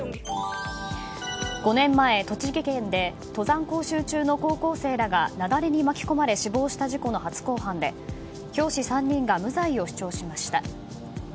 ５年前、栃木県で登山講習中の高校生らが雪崩に巻き込まれ死亡した事故の初公判で教師３人が無罪を主張しました。